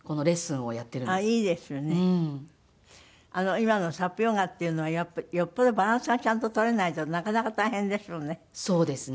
今のサップヨガっていうのはよっぽどバランスがちゃんと取れないとなかなか大変でしょうね。